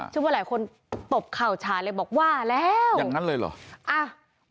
ว่าหลายคนตบเข่าฉาเลยบอกว่าแล้วอย่างนั้นเลยเหรอ